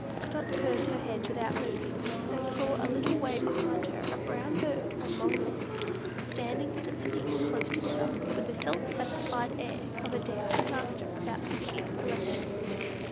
Dot turned her head without moving, and saw a little way behind her a brown bird on long legs, standing with its feet close together, with the self satisfied air of a dancing master about to begin a lesson.